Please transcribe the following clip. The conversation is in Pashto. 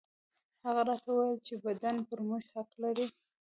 هغه راته وويل چې بدن پر موږ حق لري.